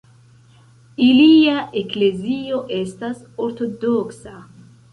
Ilia eklezio estas ortodoksa.